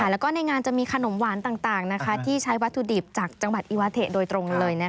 แล้วก็ในงานจะมีขนมหวานต่างที่ใช้วัตถุดิบจากจังหวัดอิวาเทโดยตรงเลย